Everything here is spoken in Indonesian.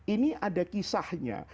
ini ada kisahnya